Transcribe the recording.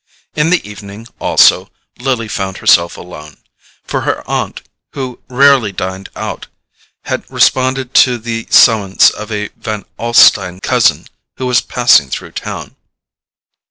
In the evening also Lily found herself alone, for her aunt, who rarely dined out, had responded to the summons of a Van Alstyne cousin who was passing through town.